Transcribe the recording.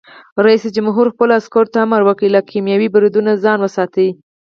رئیس جمهور خپلو عسکرو ته امر وکړ؛ له کیمیاوي بریدونو ځان وساتئ!